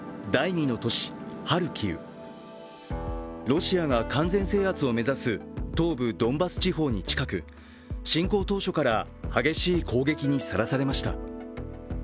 ロシアが完全制圧を目指す東部ドンバス地方に近く、侵攻当初から激しい攻撃にさらされました。